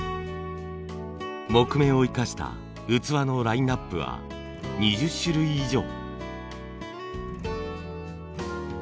木目を生かした器のラインナップは２０種類以上。